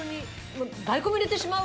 大根も入れてしまう？